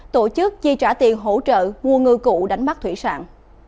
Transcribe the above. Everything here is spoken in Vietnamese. tổ chức chi trả tiền hỗ trợ mua ngư cụ đánh bắt thủy sản